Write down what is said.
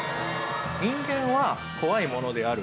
「人間は怖いものである。